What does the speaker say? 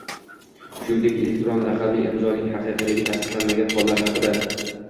shuningdek elektron raqamli imzoning haqiqiyligi tasdiqlanmagan hollar haqida